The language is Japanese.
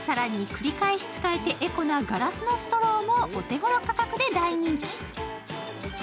更に、繰り返し使えてエコなガラスのストローもお手ごろ価格で大人気。